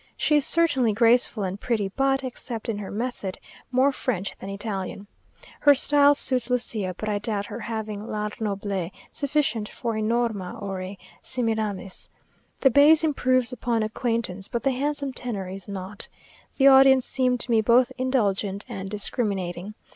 She is certainly graceful and pretty, but, except in her method, more French than Italian. Her style suits Lucia, but I doubt her having l'air noble sufficient for a Norma or a Semiramis. The bass improves upon acquaintance, but the handsome tenor is nought. The audience seemed to me both indulgent and discriminating.